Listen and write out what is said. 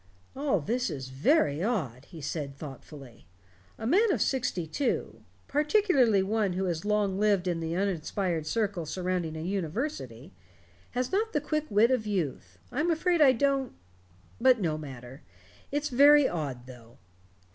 "All this is very odd," he said thoughtfully. "A man of sixty two particularly one who has long lived in the uninspired circle surrounding a university has not the quick wit of youth. I'm afraid I don't but no matter. It's very odd, though."